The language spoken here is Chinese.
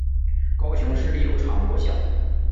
高雄市立油厂国小